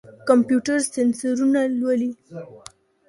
کمپيوټر سېنسرونه لولي.